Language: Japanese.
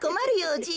じい。